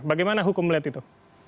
bagaimana hukum melihat itu